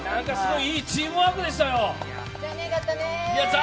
いいチームワークでしたよ、残念だった。